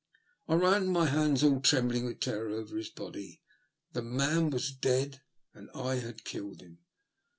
I ran my hands, all trembling with terror, over his body. The man was dead — and I had killed him.